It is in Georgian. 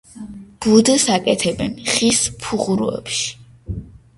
ბუდეს აკეთებენ ხის ფუღუროებში.